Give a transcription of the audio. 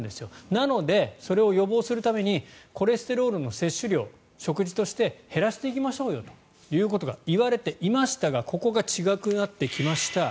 なので、それを予防するためにコレステロールの摂取量を食事として減らしていきましょうということがいわれていましたがここが違くなってきました。